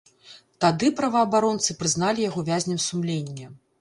Тады праваабаронцы прызналі яго вязнем сумлення.